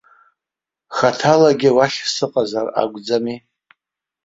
Хаҭалагьы уахь сыҟазар акәӡами.